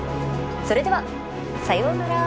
それではさようなら！